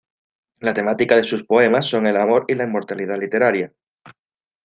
La temática de sus poemas son el amor y la inmortalidad literaria.